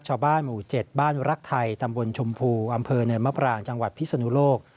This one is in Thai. ชาวบ้านหมู่๗บ้านรักไทยตำบลชมพูอำเภอเนินมะปรางจังหวัดพิศนุโลก